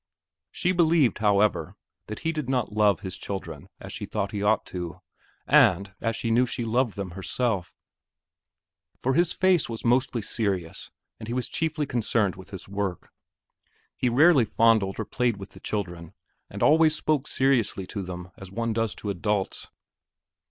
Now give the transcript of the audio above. She believed, however, that he did not love his children as she thought he ought to, and as she knew she loved them herself; for his face was mostly serious and he was chiefly concerned with his work. He rarely fondled or played with the children and always spoke seriously to them as one does to adults.